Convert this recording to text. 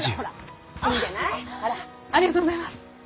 ありがとうございます。